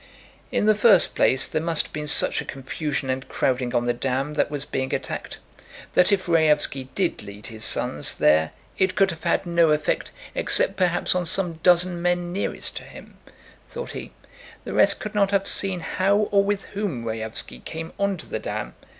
"In the first place, there must have been such a confusion and crowding on the dam that was being attacked that if Raévski did lead his sons there, it could have had no effect except perhaps on some dozen men nearest to him," thought he, "the rest could not have seen how or with whom Raévski came onto the dam.